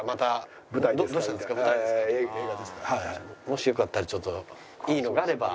もしよかったらちょっといいのがあれば。